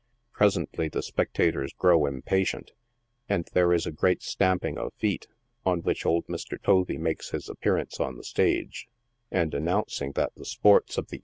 Presently the spectators grow impatient, and there is a great stamping of' feet, on which old Mr. Tovee makes his appearance on the stage, and, announcing that the sports of the 84 NIGHT SIDE OF NEW YORK.